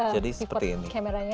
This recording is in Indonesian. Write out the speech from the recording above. jadi seperti ini